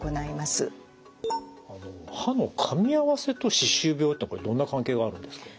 歯のかみ合わせと歯周病ってこれどんな関係があるんですか？